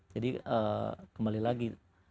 jadi kembali lagi